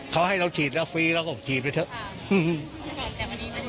เขาให้ฉีดแล้วฟรีแล้วก็ฉีดไปด้วย